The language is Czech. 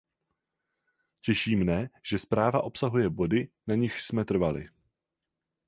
Těší mne, že zpráva obsahuje body, na nichž jsme trvali.